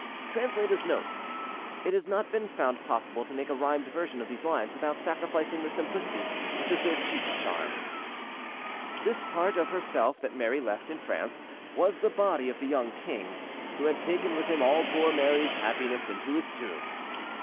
"' _[Translator's note. It has not been found possible to make a rhymed version of these lines without sacrificing the simplicity which is their chief charm.]_ This part of herself that Mary left in France was the body of the young king, who had taken with him all poor Mary's happiness into his tomb.